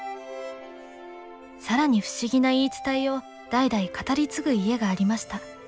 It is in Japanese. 更に不思議な言い伝えを代々語り継ぐ家がありました。